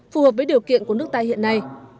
phù hợp với điều kiện của nước ta hiện nay